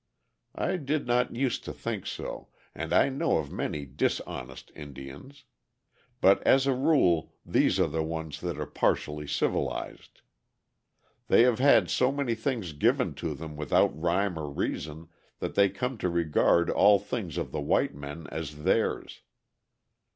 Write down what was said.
I did not use to think so, and I know of many dishonest Indians. But as a rule these are the ones that are partially civilized. They have had so many things given to them without rhyme or reason that they come to regard all things of the white men as theirs.